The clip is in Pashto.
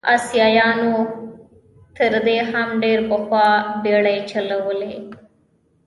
اسیایانو تر دې هم ډېر پخوا بېړۍ چلولې.